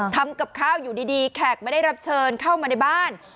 ทำกับข้าวอยู่ดีแขกไม่ได้รับเชิญเข้ามาในบ้าน